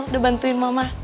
udah bantuin mama